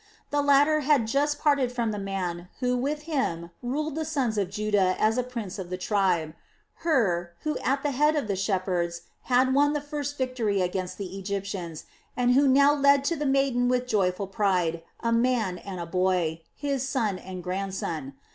The latter had just parted from the man who with him ruled the sons of Judah as a prince of the tribe Hur, who at the head of the shepherds had won the first victory against the Egyptians, and who now led to the maiden with joyful pride a man and a boy, his son and grandson.